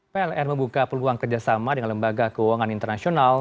pln membuka peluang kerjasama dengan lembaga keuangan internasional